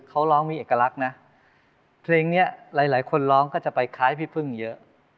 เขาร้องมีเอกลักษณ์นะเพลงนี้หลายคนร้องก็จะไปคล้ายพี่พึ่งเยอะ